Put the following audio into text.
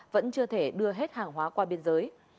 vẫn chưa thể đưa hết hàng hóa qua biên giới